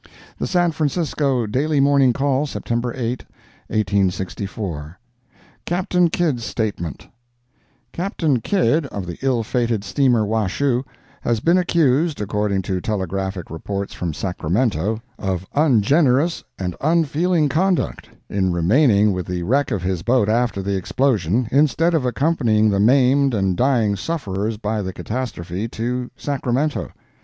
The San Francisco Daily Morning Call, September 8, 1864 CAPTAIN KIDD'S STATEMENT Captain Kidd, of the ill fated steamer Washoe, has been accused, according to telegraphic reports from Sacramento, of ungenerous and unfeeling conduct, in remaining with the wreck of his boat after the explosion, instead of accompanying the maimed and dying sufferers by the catastrophe to Sacramento.